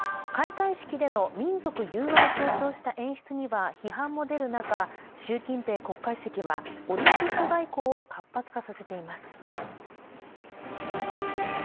開会式での民族融和を強調した演出には批判も出る中、習近平国家主席はオリンピック外交を活発化させています。